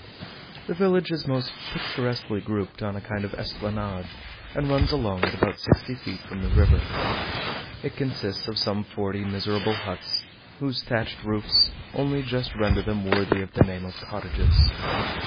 The village is most picturesquely grouped on a kind of esplanade, and runs along at about sixty feet from the river. It consists of some forty miserable huts, whose thatched roofs only just render them worthy of the name of cottages.